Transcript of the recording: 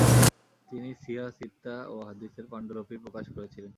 তিনি সিহাহ সিত্তাহ ও হাদিসের পাণ্ডুলিপি প্রকাশ করেছিলেন।